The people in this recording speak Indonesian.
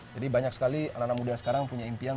jadi banyak sekali anak anak muda sekarang punya impian